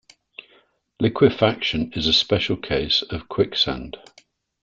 Liquefaction is a special case of quicksand.